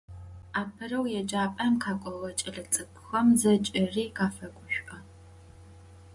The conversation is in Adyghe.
Apereu yêcap'em khek'oğe ç'elets'ık'uxem zeç'exeri khafeguş'o.